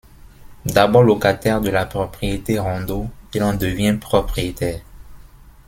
D'abord locataire de la propriété Rondeau, il en devient propriétaire.